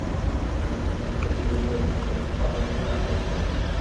যেন মুসলমানদেরকে দুর্বল ভেবে তোমরা পরিখা পার হয়ে মদীনা আক্রমণ কর।